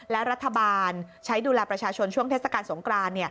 และรัฐบาลใช้ดูแลประชาชนช่วงเทศกาลสงกราน